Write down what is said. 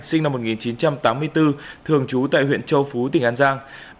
sinh năm một nghìn chín trăm tám mươi bốn thường trú tại huyện châu phú tỉnh an giang